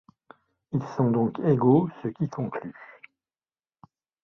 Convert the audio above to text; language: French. Ils sont donc égaux, ce qui conclut.